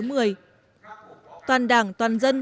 toàn đảng toàn dân toàn dân